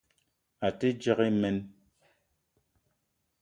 A te djegue meng.